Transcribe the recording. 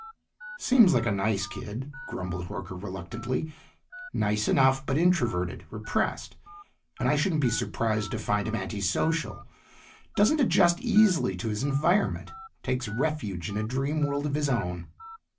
"Seems like a nice kid," grumbled Horker reluctantly. "Nice enough, but introverted, repressed, and I shouldn't be surprised to find him anti social. Doesn't adjust easily to his environment; takes refuge in a dream world of his own."